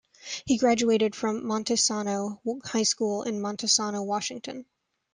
He graduated from Montesano High School in Montesano, Washington.